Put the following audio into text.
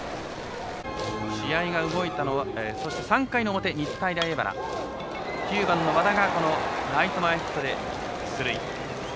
そして３回日体大荏原、９番の和田がライト前ヒットで出塁。